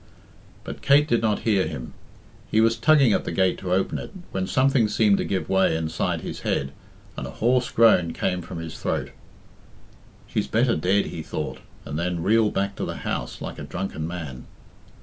But Kate did not hear him. He was tugging at the gate to open it, when something seemed to give way inside his head, and a hoarse groan came from his throat. "She's better dead," he thought, and then reeled back to the house like a drunken man.